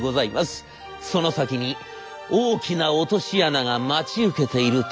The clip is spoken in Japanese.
その先に大きな落とし穴が待ち受けているとも知らずに。